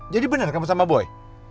jadi bener gak kamu sama boy